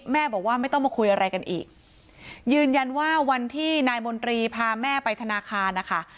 แม่บอกว่าไม่ต้องมาคุยอะไรกันอีกยืนยันว่าวันที่นายมนตรีพาแม่ไปธนาคารนะคะ